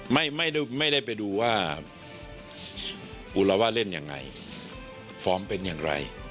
ไม่ได้ไม่ได้ไปดูว่าอุระว่าเล่นยังไงฟอร์มเป็นอย่างไร